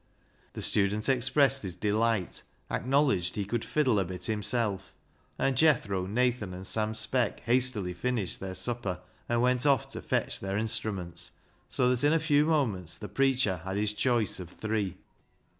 The student expressed his delight, acknow ledged he could fiddle a bit himself, and Jethro, Nathan, and Sam Speck hastily finished their 30 BECKSIDE LIGHTS supper, and went off to fetch their instruments, so that in a few moments the preacher had his choice of three.